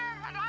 oh ya allah